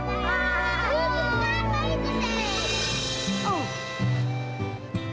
tidurkan baik baik saja